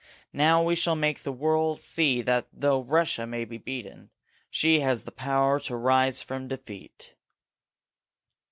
Now we shall make the world see that though Russia may be beaten, she has the power to rise from defeat."